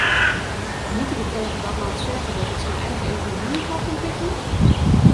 Moeten we tegen dat land zeggen dat het zijn eigen economie niet mag ontwikkelen?